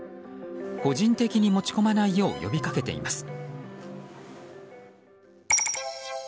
個人的に持ち込まないよう呼びかけています。